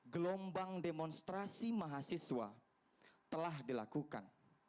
gelombang demonstrasi mahasiswa telah dilakukan